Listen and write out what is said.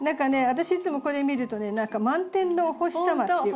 私いつもこれ見るとね何か満天のお星様っていう。